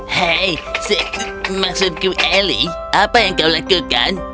hei s maksudku ellie apa yang kau lakukan